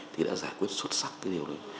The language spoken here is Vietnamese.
thì đã giải quyết xuất sắc cái điều đấy